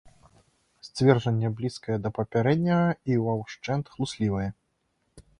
Сцверджанне блізкае да папярэдняга і ва ўшчэнт хлуслівае.